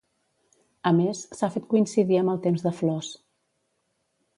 A més, s'ha fet coincidir amb el Temps de Flors.